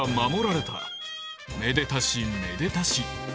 めでたしめでたし。